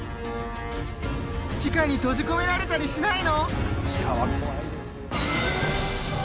地下に閉じ込められたりしないの？